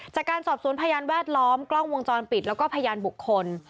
จากการสอบสวนพยานแวดล้อมกล้องวงจรปิดแล้วก็พยานบุคคล